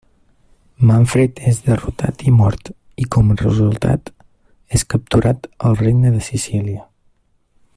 Manfred és derrotat i mort, i com a resultat és capturat el Regne de Sicília.